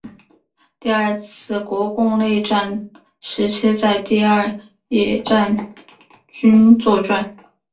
第二次国共内战时期在第二野战军作战。